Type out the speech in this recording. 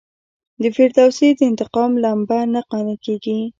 د فردوسي د انتقام لمبه نه قانع کیږي.